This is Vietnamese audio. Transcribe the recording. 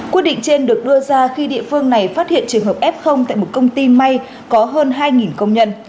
quyết định trên được đưa ra khi địa phương này phát hiện trường hợp f tại một công ty may có hơn hai công nhân